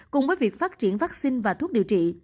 cùng với việc phát triển vaccine và thuốc điều trị